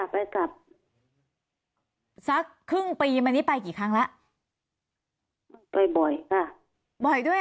ไปกลับสักครึ่งปีมานี้ไปกี่ครั้งแล้วไปบ่อยค่ะบ่อยด้วย